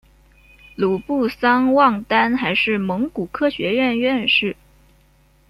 鲁布桑旺丹还是蒙古科学院院士。